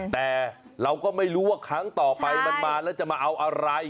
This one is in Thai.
แต่เราก็ไม่รู้ว่าครั้งต่อไปมันมาแล้วจะมาเอาอะไร